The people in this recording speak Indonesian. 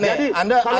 jadi anda menangkan